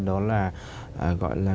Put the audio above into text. đó là gọi là